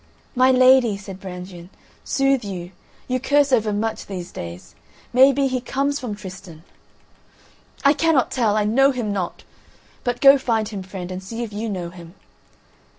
"My lady!" said Brangien, "soothe you. You curse over much these days. May be he comes from Tristan?" "I cannot tell. I know him not. But go find him, friend, and see if you know him."